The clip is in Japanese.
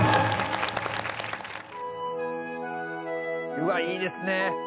うわっいいですね！